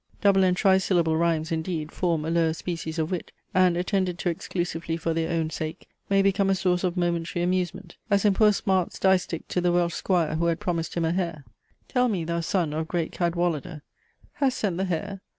Double and tri syllable rhymes, indeed, form a lower species of wit, and, attended to exclusively for their own sake, may become a source of momentary amusement; as in poor Smart's distich to the Welsh Squire who had promised him a hare: "Tell me, thou son of great Cadwallader! Hast sent the hare?